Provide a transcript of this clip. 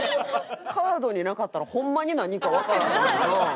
カードになかったらホンマに何かわからへんよな。